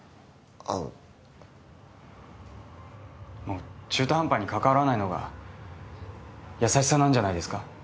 あのもう中途半端にかかわらないのが優しさなんじゃないですか？